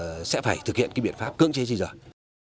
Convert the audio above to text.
chúng tôi sẽ phải thực hiện biện pháp cưỡng chế di rời